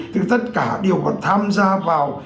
thì tất cả đều có tham gia vào